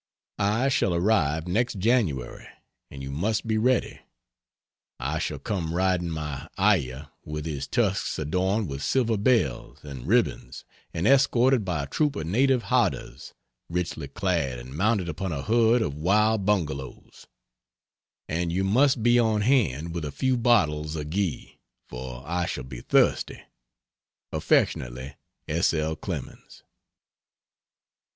I shall arrive next January and you must be ready. I shall come riding my ayah with his tusks adorned with silver bells and ribbons and escorted by a troop of native howdahs richly clad and mounted upon a herd of wild bungalows; and you must be on hand with a few bottles of ghee, for I shall be thirsty. Affectionately, S. L. CLEMENS.